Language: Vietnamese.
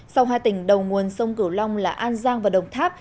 sau hai tỉnh đầu nguồn sông cửu long là an giang và đồng tháp